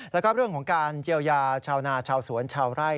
และการเจียวยาชาวนาชาวสวนชาวไร่